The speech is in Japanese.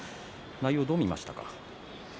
内容はどう見ましたか？